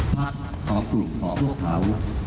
พักของกลุ่มของพวกเขา